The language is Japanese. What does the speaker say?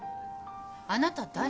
あなた誰？